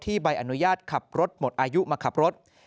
ใบอนุญาตขับรถหมดอายุมาขับรถ